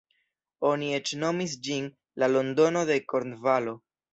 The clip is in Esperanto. Oni eĉ nomis ĝin "La Londono de Kornvalo".